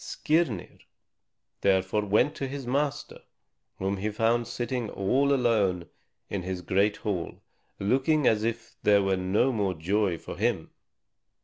Skirnir therefore went to his master, whom he found sitting all alone in his great hall, looking as if there were no more joy for him.